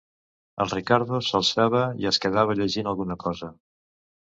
El Riccardo s’alçava i es quedava llegint alguna cosa.